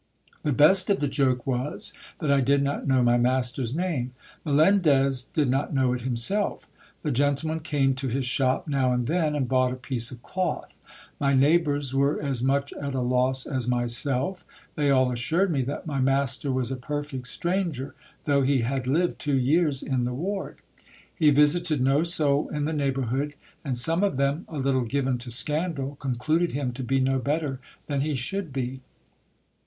The best of the joke was, that I did not know my master's name. Melendez did not know it himself. The gentleman came to his shop now and then, and bought a piece of cloth. My neighbours were as much at a loss as myself ; they all assured me that my master was a perfect stranger, though he had lived two years in the ward. He visited no soul in the neighbourhood, and some of them, a little given to scan dal, concluded him to be no better than he should be.